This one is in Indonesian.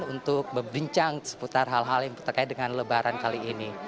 untuk berbincang seputar hal hal yang terkait dengan lebaran kali ini